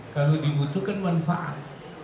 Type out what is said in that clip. kalau dibutuhkan manfaat